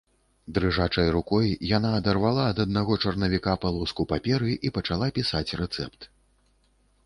Дрыжачай рукой яна адарвала ад аднаго чарнавіка палоску паперы і пачала пісаць рэцэпт.